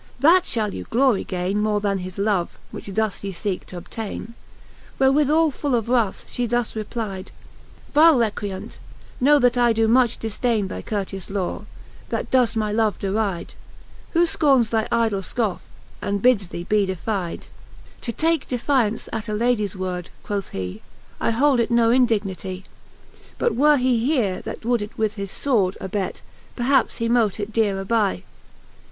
That fhall you glory gaine More then his love, which thus ye feeke t'obtaine. Wherewith all full of wroth, Ihethus replydej Vile recreant, know, that I doe much difdaine Thy courteous lore, thatdoeft my love deride, ^Who ijcornes thy y die fcofFe, and bids thee be defyde. XXVIII. 'To take defiaunce at a Ladies word, Quoth he, I hold it no indignity, But were he here, that would it with his fwortl ^ Abett, perhaps he mote it deareaby.